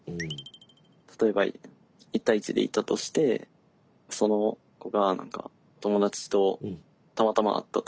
例えば１対１でいたとしてその子が何か友達とたまたま会ったとするじゃないですか。